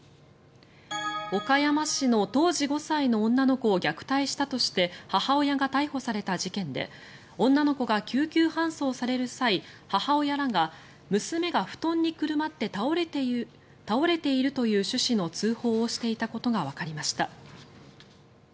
岡山市の当時５歳の女の子を虐待したとして母親が逮捕された事件で女の子が救急搬送される際母親らが、娘が布団にくるまって倒れているという趣旨の通報をしていたことがわかりました。